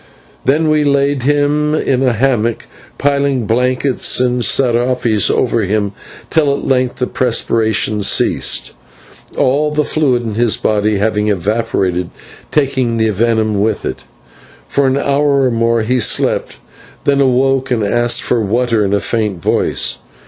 Then we laid him in a hammock, piling blankets and /serapes/ over him till at length the perspiration ceased, all the fluid in his body having evaporated, taking the venom with it. For an hour or more he slept, then awoke and asked for water in a faint voice.